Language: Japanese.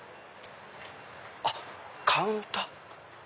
あっカウンター？